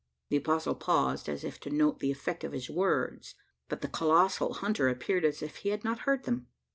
The apostle paused, as if to note the effect of his words; but the colossal hunter appeared as if he had not heard them.